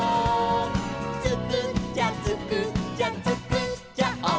「つくっちゃつくっちゃつくっちゃオー！」